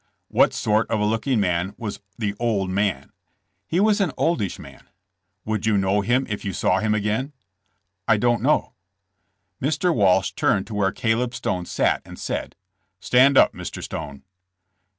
*'What sort of a looking man was the *01d man?'" *'He was an oldish man." Would you know him if you saw him again?" *'I don't know." Mr. Walsh turned to where Caleb Stone sat and said: ''Stand up, Mr. Stone."